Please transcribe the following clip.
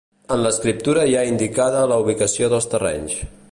En l'escriptura hi ha indicada la ubicació dels terrenys.